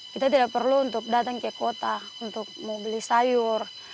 kita tidak perlu untuk datang ke kota untuk mau beli sayur